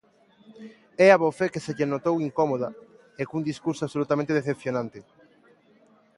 E abofé que se lle notou incómoda e cun discurso absolutamente decepcionante.